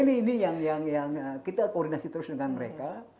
ini yang kita koordinasi terus dengan mereka